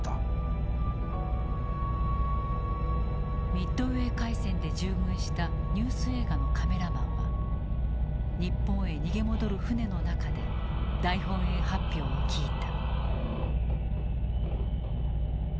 ミッドウェー海戦で従軍したニュース映画のカメラマンは日本へ逃げ戻る船の中で大本営発表を聞いた。